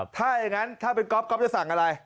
ถ้าอย่างนั้นถ้าเป็นก๊อฟก๊อฟจะสั่งอะไร